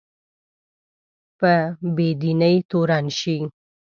په بې دینۍ تورن شي